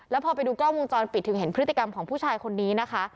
แล้วพอไปดูกล้องวงจรปิดถึงเห็นพฤติกรรมของผู้ชายคนนี้นะคะ